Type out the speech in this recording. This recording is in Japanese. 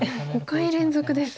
５回連続です。